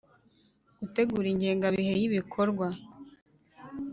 Gutegura ingengabihe y’ibikorwa;